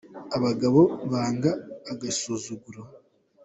Abagabo banga agasuzuguro.